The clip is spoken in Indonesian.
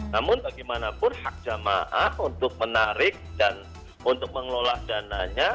namun bagaimanapun hak jamaah untuk menarik dan untuk mengelola dananya